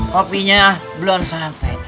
kopinya belum sampai